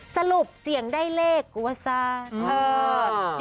สรุปเสี่ยงได้เลขวสาธิ์